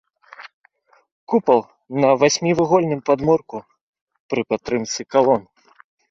Купал на васьмівугольным падмурку пры падтрымцы калон.